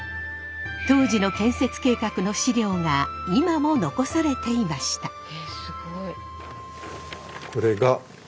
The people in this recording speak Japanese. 当時の建設計画の資料が今も残されていました。